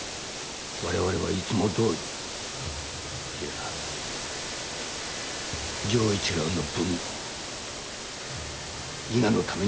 われわれはいつもどおりいや城一郎の分も伊賀のために尽くしていこう